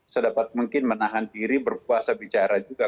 sedapat mungkin menahan diri berpuasa bicara juga